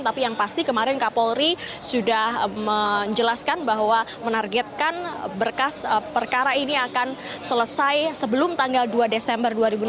tapi yang pasti kemarin kapolri sudah menjelaskan bahwa menargetkan berkas perkara ini akan selesai sebelum tanggal dua desember dua ribu enam belas